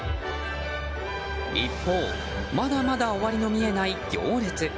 一方、まだまだ終わりの見えない行列。